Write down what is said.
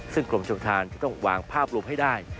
ซึ่งกรมชมทานจะต้องวางภาพรวมให้ได้